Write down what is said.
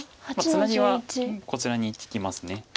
ツナギはこちらに利きます。